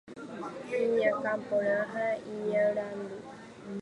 Iñakã porã ha iñarandu.